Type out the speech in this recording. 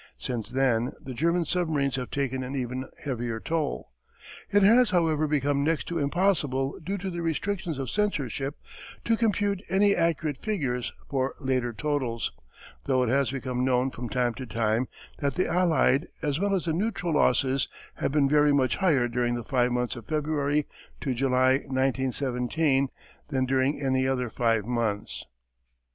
Since then the German submarines have taken an even heavier toll. It has, however, become next to impossible, due to the restrictions of censorship, to compute any accurate figures for later totals, though it has become known from time to time that the Allied as well as the neutral losses have been very much higher during the five months of February to July, 1917 than during any other five months.